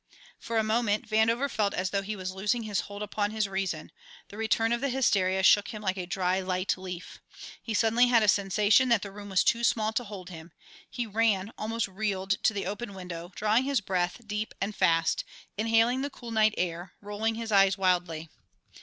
For a moment Vandover felt as though he was losing his hold upon his reason; the return of the hysteria shook him like a dry, light leaf. He suddenly had a sensation that the room was too small to hold him; he ran, almost reeled, to the open window, drawing his breath deep and fast, inhaling the cool night air, rolling his eyes wildly.